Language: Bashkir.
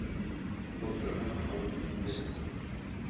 Былтыр ғына һалып инде.